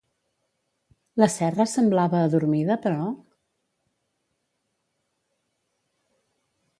La serra semblava adormida, però?